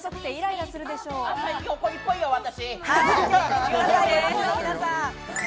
最近怒りっぽいよ、私。